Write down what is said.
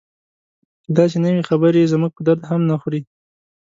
که داسې نه وي خبرې یې زموږ په درد هم نه خوري.